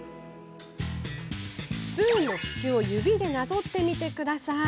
スプーンの縁を指でなぞってみてください。